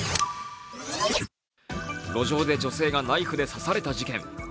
路上で女性がナイフで刺された事件。